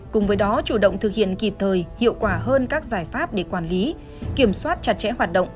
cùng với đó chủ động thực hiện kịp thời hiệu quả hơn các giải pháp để quản lý kiểm soát chặt chẽ hoạt động